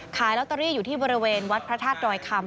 ขายลอตเตอรี่อยู่ที่บริเวณวัดพระธาตุดอยคำ